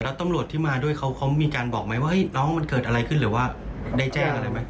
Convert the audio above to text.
แล้วตำรวจที่มาด้วยเขามีการบอกไหมว่าน้องมันเกิดอะไรขึ้นหรือว่าได้แจ้งอะไรไหม